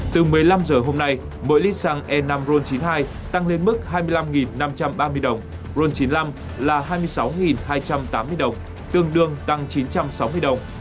từ một mươi năm h hôm nay mỗi lít xăng e năm ron chín mươi hai tăng lên mức hai mươi năm năm trăm ba mươi đồng ron chín mươi năm là hai mươi sáu hai trăm tám mươi đồng tương đương tăng chín trăm sáu mươi đồng